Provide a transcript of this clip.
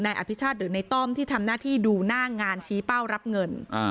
อภิชาติหรือในต้อมที่ทำหน้าที่ดูหน้างานชี้เป้ารับเงิน